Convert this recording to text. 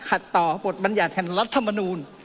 ขัดต่อบทบัญญาณแทนรัฐธรรมนูญ